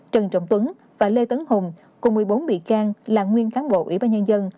trần trọng tuấn và lê tấn hùng cùng một mươi bốn bị can là nguyên cán bộ ủy ban nhân dân